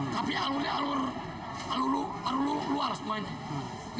tapi alur alur luar semuanya